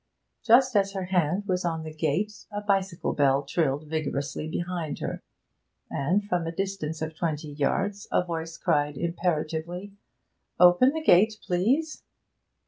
Just as her hand was on the gate a bicycle bell trilled vigorously behind her, and, from a distance of twenty yards, a voice cried imperatively 'Open the gate, please!'